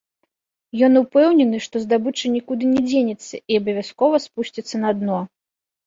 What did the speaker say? Ён упэўнены, што здабыча нікуды не дзенецца і абавязкова спусціцца на дно.